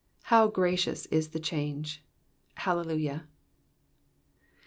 How gracious is the change. Hallelujah.